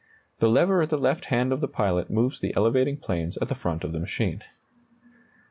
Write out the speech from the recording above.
The lever at the left hand of the pilot moves the elevating planes at the front of the machine.